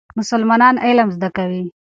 مسلمانان علم زده کوي.